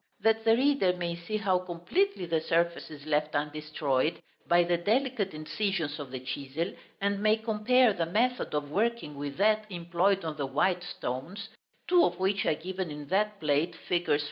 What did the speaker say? that the reader may see how completely the surface is left undestroyed by the delicate incisions of the chisel, and may compare the method of working with that employed on the white stones, two of which are given in that plate, figs.